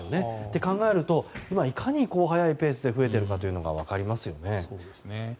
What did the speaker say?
と考えると、いかに早いペースで増えているかというのが分かりますよね。